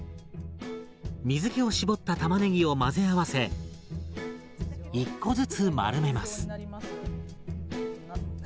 水けを絞ったたまねぎを混ぜ合わせ１個ずつ丸めます。